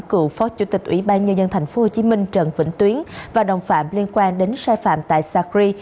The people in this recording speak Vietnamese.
cựu phó chủ tịch ủy ban nhân dân tp hcm trần vĩnh tuyến và đồng phạm liên quan đến sai phạm tại sacri